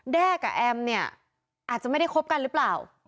แด้กับแอมเนี่ยอาจจะไม่ได้คบกันหรือเปล่า